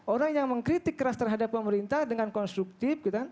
orang yang mengkritik keras terhadap pemerintah dengan konstruktif